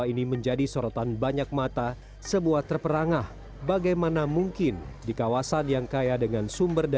ini menjadi sorotan banyak mata sebuah terperangah bagaimana mungkin di kawasan yang kaya dengan sumber daya